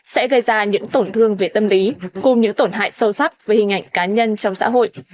sẽ gây ra những tổn thương về tâm lý cùng những tổn hại sâu sắc về hình ảnh cá nhân trong xã hội